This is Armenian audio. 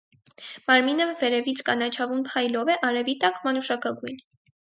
Մարմինը վերևից կանաչավուն փայլով է, արևի տակ՝ մանուշակագույն։